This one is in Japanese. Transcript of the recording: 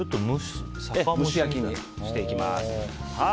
蒸し焼きにしていきます。